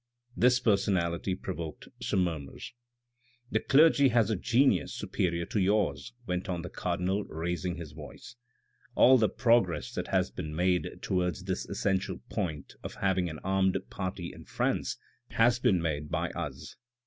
(This personality provoked some murmurs.) " The clergy has a genius superior to yours, ' went on the cardinal raising his voice. " All the progress that has been made towards this essential point of having an armed party in France has been made by us."